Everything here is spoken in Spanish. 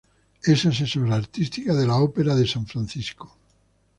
Es asesora artística de la Ópera de San Francisco.